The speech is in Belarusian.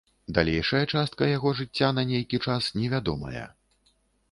Далейшая частка яго жыцця на нейкі час невядомая.